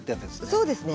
そうですね。